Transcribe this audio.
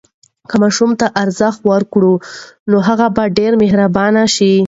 که ماشوم ته ارزښت ورکړو، نو هغه به مهربان شي.